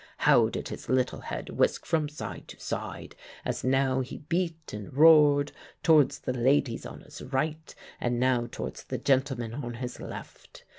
How did his little head whisk from side to side, as now he beat and roared towards the ladies on his right, and now towards the gentlemen on his left!